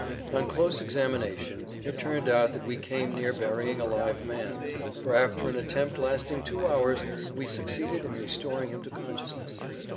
On closer examination it turned out that we came near burying a living man, for after an attempt lasting two hours we succeeded in restoring him to consciousness.